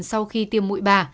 sau khi tiêm mũi ba